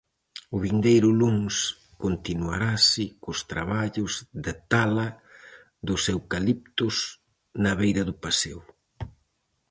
O vindeiro luns continuarase cos traballos de tala dos eucaliptos na beira do paseo.